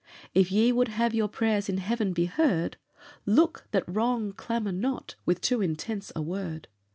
If ye would have your prayers in heaven be heard, Look that wrong clamour not with too intense a word.